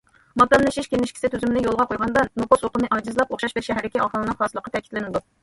ماكانلىشىش كىنىشكىسى تۈزۈمىنى يولغا قويغاندا، نوپۇس ئۇقۇمى ئاجىزلاپ، ئوخشاش بىر شەھەردىكى ئاھالىنىڭ خاسلىقى تەكىتلىنىدۇ.